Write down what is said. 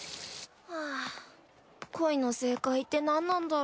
はぁ恋の正解ってなんなんだろ